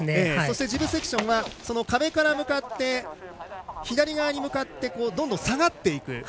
そしてジブセクションは壁から左側に向かってどんどん下がっていく。